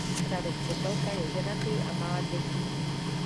Radek Popelka je ženatý a má děti.